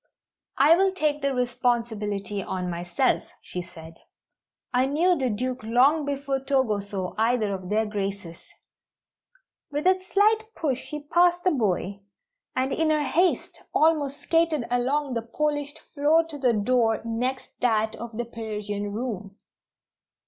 "I will take the responsibility on myself," she said. "I knew the Duke long before Togo saw either of Their Graces." With a slight push she passed the boy, and in her haste almost skated along the polished floor to the door next that of the Persian room.